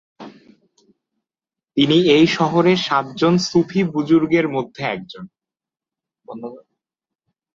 তিনি এই শহরের সাত জন সুফি বুজুর্গের মধ্যে একজন।